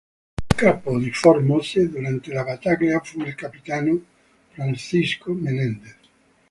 Il capo di Fort Mose durante la battaglia fu il capitano Francisco Menendez.